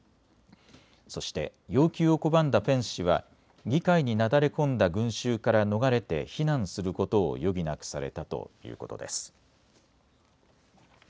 そして要求を拒んだペンス氏は議会になだれ込んだ群衆から逃れて避難することを余儀なくされたということです。